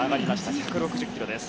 １６０キロです。